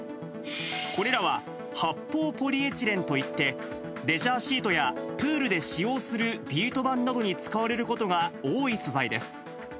これらは、発泡ポリエチレンといって、レジャーシートや、プールで使用するビート板などに使われることが多い素材です。